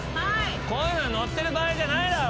こういうの乗ってる場合じゃないだろ。